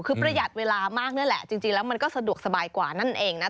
คือประหยัดเวลามากนี่แหละจริงแล้วมันก็สะดวกสบายกว่านั่นเองนะ